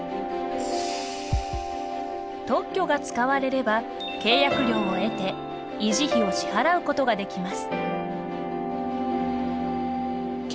特許が使われれば、契約料を得て維持費を支払うことができます。